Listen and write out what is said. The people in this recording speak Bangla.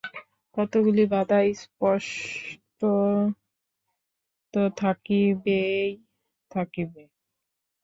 কতকগুলি বাধা স্পষ্টত থাকিবেই থাকিবে।